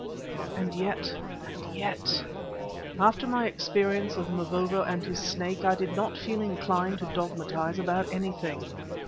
And yet, and yet, after my experience of Mavovo and his Snake, I did not feel inclined to dogmatise about anything.